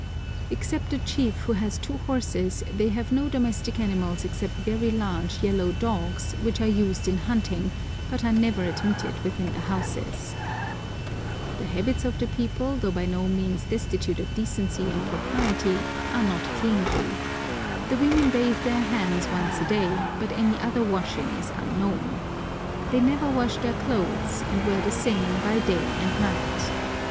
Except the chief, who has two horses, they have no domestic animals except very large, yellow dogs, which are used in hunting, but are never admitted within the houses. The habits of the people, though by no means destitute of decency and propriety, are not cleanly. The women bathe their hands once a day, but any other washing is unknown. They never wash their clothes, and wear the same by day and night.